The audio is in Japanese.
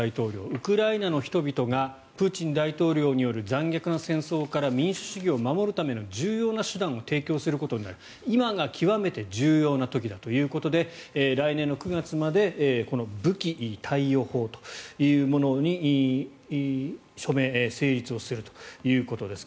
ウクライナの人々がプーチン大統領による残虐な戦争から民主主義を守るための重要な手段を提供することになる今が極めて重要な時だということで来年の９月までこの武器貸与法というものに署名・成立をするということです。